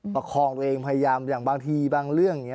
ประคองตัวเองพยายามอย่างบางทีบางเรื่องอย่างนี้